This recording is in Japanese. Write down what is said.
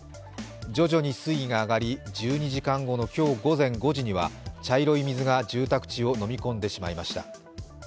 徐々に水位が上がり、１２時間後の今日午前５時には茶色い水が住宅地をのみ込んでしまいました。